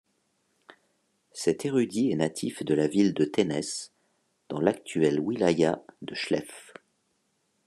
Cet érudit est natif de la ville de Ténès dans l'actuelle wilaya de Chlef.